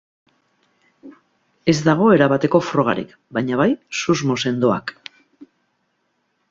Ez dago erabateko frogarik, baina bai susmo sendoak.